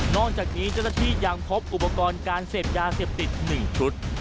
จากนี้เจ้าหน้าที่ยังพบอุปกรณ์การเสพยาเสพติด๑ชุด